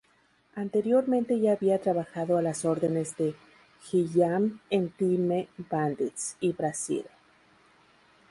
Anteriormente ya había trabajado a las órdenes de Gilliam en "Time Bandits" y "Brazil".